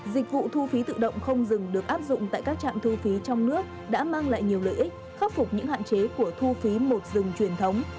dịch vụ thu phí tự động không dừng được áp dụng tại các trạm thu phí trong nước đã mang lại nhiều lợi ích khắc phục những hạn chế của thu phí một dừng truyền thống